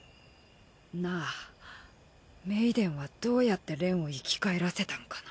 なあメイデンはどうやってを生き返らせたんかな？